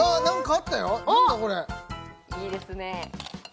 あっいいですね